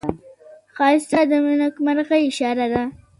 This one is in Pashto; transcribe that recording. ښایست د نیکمرغۍ اشاره ده